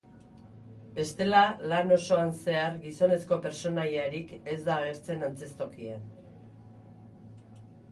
Bestela, lan osoan zehar gizonezko pertsonaiarik ez da agertzen antzeztokian.